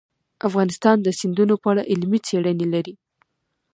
افغانستان د سیندونه په اړه علمي څېړنې لري.